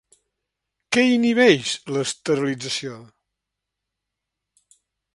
Què inhibeix l'esterilització?